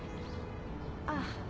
ああ。